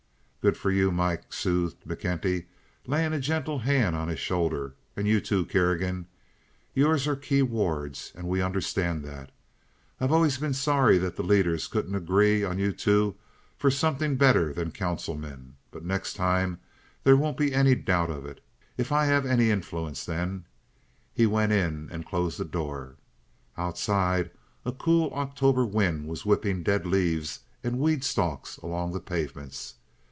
"Good for you, Mike!" soothed McKenty, laying a gentle hand on his shoulder. "And you, too, Kerrigan. Yours are the key wards, and we understand that. I've always been sorry that the leaders couldn't agree on you two for something better than councilmen; but next time there won't be any doubt of it, if I have any influence then." He went in and closed the door. Outside a cool October wind was whipping dead leaves and weed stalks along the pavements.